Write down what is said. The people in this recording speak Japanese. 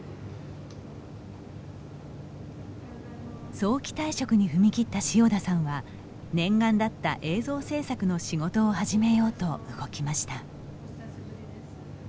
早期退職に踏み切った塩田さんは念願だった映像制作の仕事を始めようと動きました。